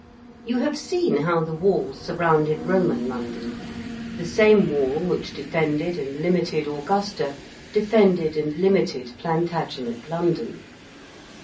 You have seen how the wall surrounded Roman London. The same wall which defended and limited Augusta defended and limited Plantagenet London.